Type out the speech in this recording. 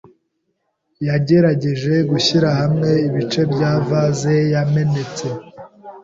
Yagerageje gushyira hamwe ibice bya vase yamenetse.